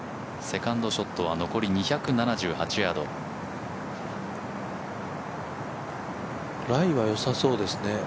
セカンドショットは残り２７８ヤードライはよさそうですね。